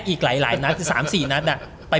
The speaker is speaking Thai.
อีกหลายนัด๓๔นัดอ่ะ